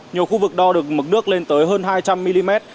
nhiều khu vực đo được mực nước lên tới hơn hai trăm linh mm